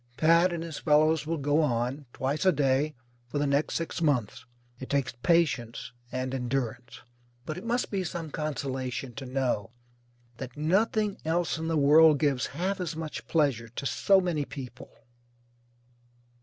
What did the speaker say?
Pat and his fellows will go on, twice a day, for the next six months. It takes patience and endurance. But it must be some consolation to know that nothing else in the world gives half as much pleasure to so many people.